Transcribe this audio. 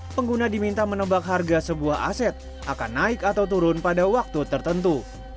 pengguna diminta menebak harga sebuah aset akan naik atau turun pada waktu tertentu